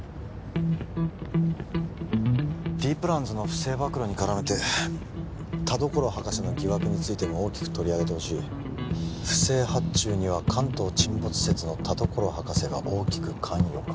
Ｄプランズの不正暴露に絡めて田所博士の疑惑についても大きく取り上げてほしい「不正発注には関東沈没説の田所博士が大きく関与か？」